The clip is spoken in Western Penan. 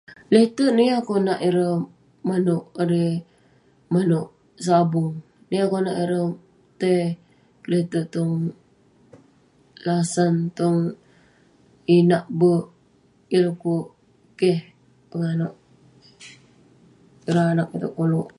Lete'erk neh yah konak ireh maneuk erei- maneuk sabung, yah konak ireh tai kelete'erk tong lasan, tong inak bek. Yah dekuk keh penganeuk ireh anak iteuk koluk.